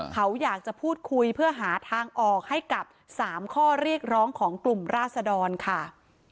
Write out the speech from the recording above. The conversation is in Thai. เขาอยากจะพูดคุยเพื่อหาทางออกให้กับ๓ข้อเรียกร้องของกลุ่มราศดรค่ะ